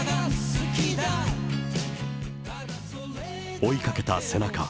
追いかけた背中。